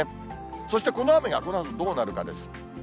そして、この雨がこのあとどうなるかです。